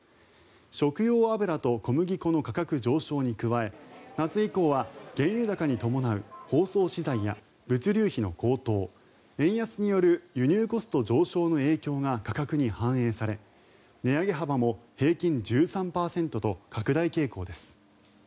食用油と小麦粉の価格上昇に加え夏以降は原油高に伴う包装資材や物流費の高騰円安による輸入コスト上昇の影響が価格に反映され値上げ幅も平均１３％と拡大傾向です。